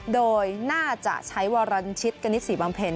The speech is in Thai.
โดยน่าจะใช้วอลรันชิตกระนิดสี่บางเพลิน